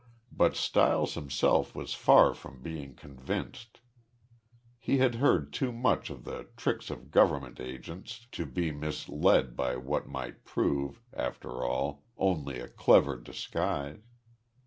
But Stiles himself was far from being convinced. He had heard too much of the tricks of government agents to be misled by what might prove, after all, only a clever disguise.